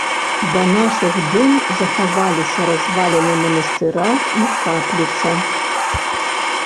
Да нашых дзён захаваліся разваліны манастыра і капліца.